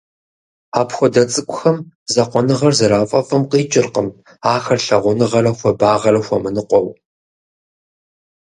Апхуэдэ цӀыкӀухэм закъуэныгъэр зэрафӀэфӀым къикӀыркъым ахэр лъагъуныгъэрэ хуабагъэрэ хуэмыныкъуэу.